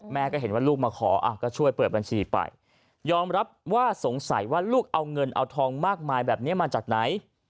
ก็เห็นว่าลูกมาขอก็ช่วยเปิดบัญชีไปยอมรับว่าสงสัยว่าลูกเอาเงินเอาทองมากมายแบบนี้มาจากไหน